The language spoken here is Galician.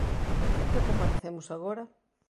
¿Por que comparecemos agora?